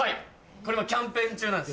これキャンペーン中なんです。